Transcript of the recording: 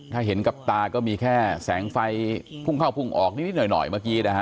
ถ้าเห็นกับตาก็มีแค่แสงไฟพุ่งเข้าพุ่งออกนิดหน่อยเมื่อกี้นะฮะ